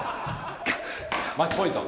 マッチポイント。